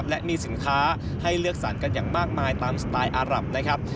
และมีสินค้าให้เลือกสรรกันอย่างมากมายตามสไตล์อารับนะครับ